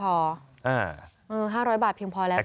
เออ๕๐๐บาทเพียงพอแล้วสักทีนึง